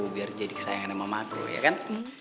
biar jadi kesayangan sama madu ya kan